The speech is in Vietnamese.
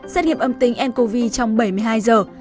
xét nghiệm âm tính ncov trong bảy mươi hai giờ